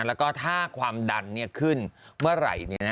แล้วก็ถ้าความดันขึ้นเมื่อไหร่